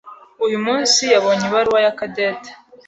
Uyu munsi yabonye ibaruwa ya Cadette.